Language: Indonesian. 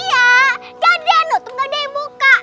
gak ada nutup gak ada yang buka